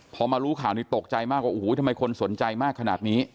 พอมารู้ข่าวนี้ตกใจมากว่าโอ้โหทำไมคนสนใจมากขนาดนี้